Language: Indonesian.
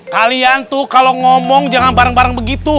kalian tuh kalau ngomong jangan bareng bareng begitu